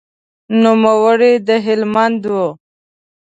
نوموړی د هلمند و.